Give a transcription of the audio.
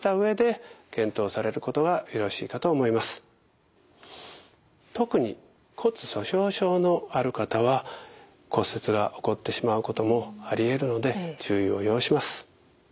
何分外力を加えてやるわけですから特に骨粗しょう症のある方は骨折が起こってしまうこともありえるので注意を要します。